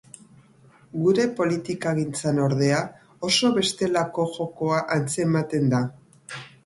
Gure politikagintzan, ordea, oso bestelako jokoa antzematen da.